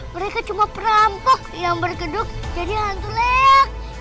mereka cuma perampok yang bergeduk jadi hantu layak